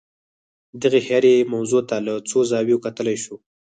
دغې هرې موضوع ته له څو زاویو کتلای شو.